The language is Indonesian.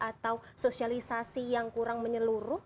atau sosialisasi yang kurang menyeluruh